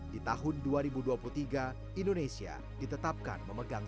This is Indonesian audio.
di tahun dua ribu dua puluh tiga indonesia ditetapkan memegang